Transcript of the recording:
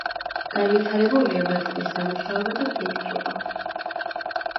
განვითარებულია მატყლის დამუშავება და ფეიქრობა.